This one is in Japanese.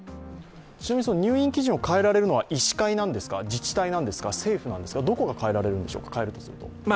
ちなみに入院基準を変えられるのは医師会なんですか、自治体なんですか、政府なんですかどこが変えられるんでしょうか、変えるとしたら。